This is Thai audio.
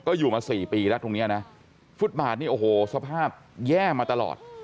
ก็อยู่มาสี่ปีแล้วตรงเนี้ยนะฟุตบาทนี่โอ้โหสภาพแย่มาตลอด